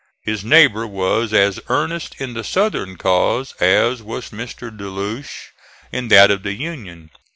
His neighbor was as earnest in the southern cause as was Mr. De Loche in that of the Union.